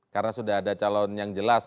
karena sudah ada calon yang jelas